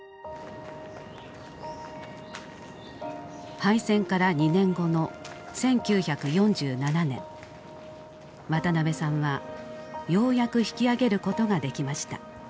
敗戦から２年後の１９４７年渡辺さんはようやく引き揚げることができました。